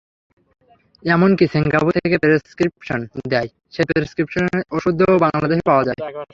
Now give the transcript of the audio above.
এমনকি সিঙ্গাপুর থেকে প্রেসক্রিপশন দেয়, সেই প্রেসক্রিপশনের ওষুধও বাংলাদেশে পাওয়া যায়।